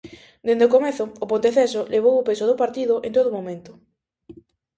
Dende o comezo o Ponteceso levou o peso do partido en todo momento.